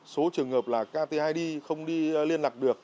số trường hợp là ktid không đi liên lạc được